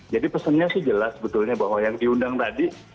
jadi pesannya sih jelas sebetulnya bahwa yang diundang tadi